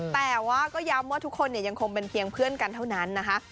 แต่ว่าก็ย้ำว่าทุกคนยังคงเป็นเพียงเพื่อนกันเท่านั้นนะคะ